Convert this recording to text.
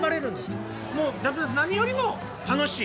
何よりも楽しい？